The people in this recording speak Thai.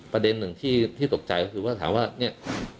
ประเด็นหนึ่งที่ตกใจก็คือว่าถามว่าเนี่ย